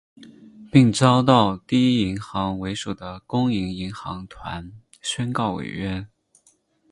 并遭到第一银行为首的公营银行团宣告违约。